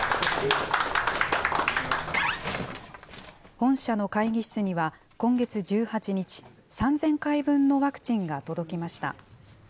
本社の会議室には、今月１８日、３０００回分のワクチンが届きました。